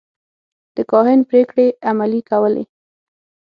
د کاهن پرېکړې عملي کولې.